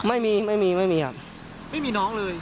เมื่อมีที่เนื้อทางเลย